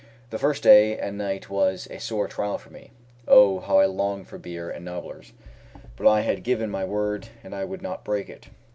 The first day and night was a sore trial for me. Oh, how I longed for beer and nobblers! But I had given my word, and I would not break it.